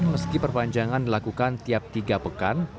meski perpanjangan dilakukan tiap tiga pekan